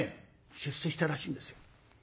出世したらしいんですよ。